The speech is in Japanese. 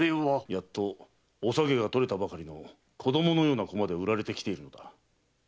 やっとおさげが取れたばかりの子供まで売られてきている。